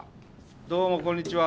どうもこんにちは。